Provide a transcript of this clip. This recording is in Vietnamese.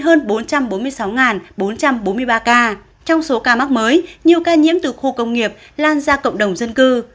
hơn bốn trăm bốn mươi sáu bốn trăm bốn mươi ba ca trong số ca mắc mới nhiều ca nhiễm từ khu công nghiệp lan ra cộng đồng dân cư